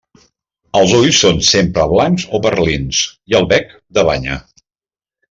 Els ulls són sempre blancs o perlins, i el bec, de banya.